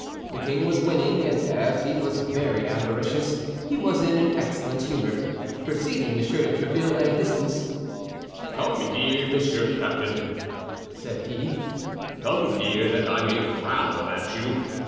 The king was winning; and as he was very avaricious, he was in an excellent humor. Perceiving M. de Tréville at a distance— "Come here, Monsieur Captain," said he, "come here, that I may growl at you.